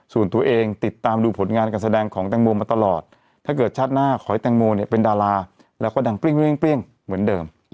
ส่วนตัวเองติดตามดูผลงานการแสดงของแตงโมมาตลอดถ้าเกิดชาติหน้าขอให้แตงโมเนี่ยเป็นดาราแล้วก็ดังเปรี้ยงเหมือนเดิม